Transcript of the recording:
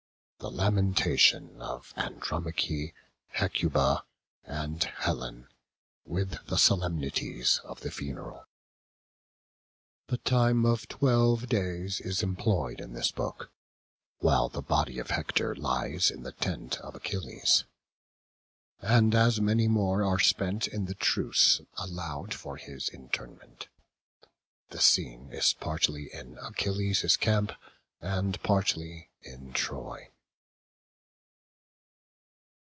The lamentation of Andromache, Hecuba, and Helen, with the solemnities of the funeral. The time of twelve days is employed in this book, while the body of Hector lies in the tent of Achilles. And as many more are spent in the truce allowed for his interment. The scene is partly in Achilles' camp, and partly in Troy.